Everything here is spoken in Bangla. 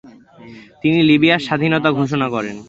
তিনি লিবিয়ার স্বাধীনতা ঘোষণা করেন।